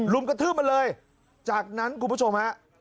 รุมกระทืบมาเลยจากนั้นครูผู้ชมครับ